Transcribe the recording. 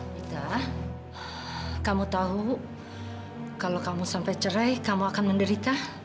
kita kamu tahu kalau kamu sampai cerai kamu akan menderita